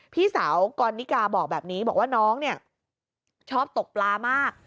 พี่สาวกรณิกาบอกแบบนี้บอกว่าน้องเนี่ยชอบตกปลามาก